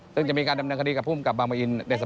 ซึ่งจะมีการดำเนินคดีกับผู้จำงเบอิล๖เดือนหน้า